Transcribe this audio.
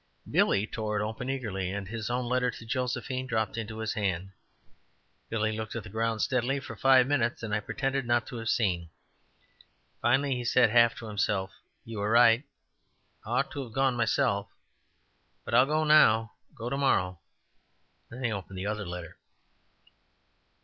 Billy tore it open eagerly and his own letter to Josephine dropped into his hand. Billy looked at the ground steadily for five minutes, and I pretended not to have seen. Finally he said, half to himself: "You were right, I ought to have gone myself but I'll go now, go to morrow." Then he opened the other letter.